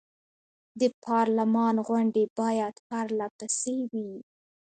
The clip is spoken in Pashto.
د پارلمان غونډې باید پر له پسې وي.